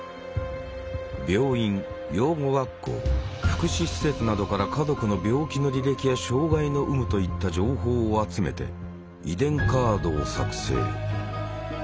病院養護学校福祉施設などから家族の病気の履歴や障害の有無といった情報を集めて遺伝カードを作成。